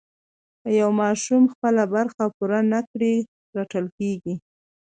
که یو ماشوم خپله برخه پوره نه کړي رټل کېږي.